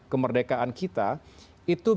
kemerdekaan kita itu